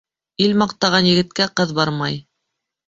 Ил маҡтаған егеткә ҡыҙ бармай.